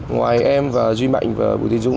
ngoài em và duy mạnh và bùi tình dũng